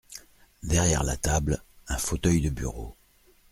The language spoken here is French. Derrière la table, un fauteuil de bureau.